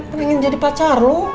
gue pengen jadi pacar lo